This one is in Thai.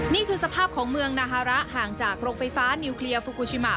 นี่คือสภาพของเมืองนาฮาระห่างจากโรงไฟฟ้านิวเคลียร์ฟูกูชิมะ